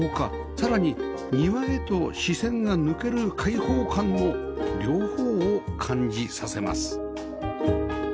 さらに庭へと視線が抜ける開放感の両方を感じさせます